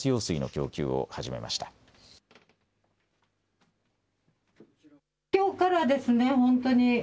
きょうからですね、本当に。